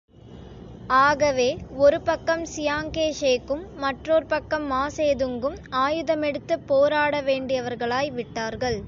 ஆகவே ஒரு பக்கம் சியாங் கே ஷேக்கும், மற்றோர் பக்கம் மாசேதுங்கும் ஆயுதமெடுத்துப் போராட வேண்டியவர்களாய் விட்டார்கள்.